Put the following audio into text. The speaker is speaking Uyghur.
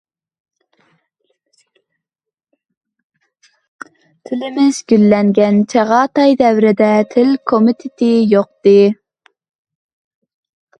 تىلىمىز گۈللەنگەن چاغاتاي دەۋرىدە تىل كومىتېتى يوقىدى.